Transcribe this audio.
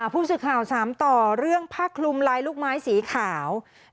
ผู้สื่อข่าวถามต่อเรื่องผ้าคลุมลายลูกไม้สีขาว